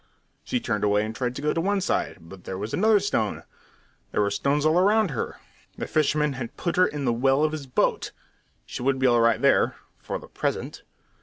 She turned away and tried to go to one side, but there was another stone; there were stones all round her. The fisherman had put her into the well of his boat. She would be all right there for the present!